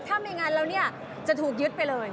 ถ้าไม่งั้นแล้วเนี่ยจะถูกยึดไปเลย